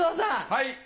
はい。